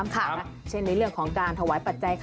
อย่างแรกเลยก็คือการทำบุญเกี่ยวกับเรื่องของพวกการเงินโชคลาภ